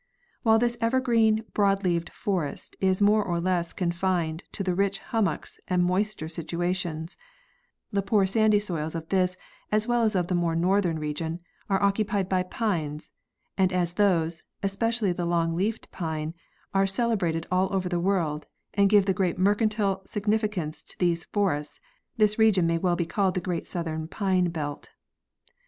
While this evergreen, broad leaved forest is more or less con fined to the rich hummocks and moister situations, the poor sandy soils of this as well as of the more northern region are occupied by pines; and as those, especially the long leaf pine, are celebrated all over the world and give the great mercantile sig nificance to these forests, this region may well be called the ereat southern pine belt.